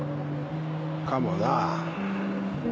かもな。